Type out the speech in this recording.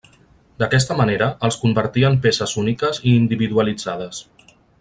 D'aquesta manera els convertia en peces úniques i individualitzades.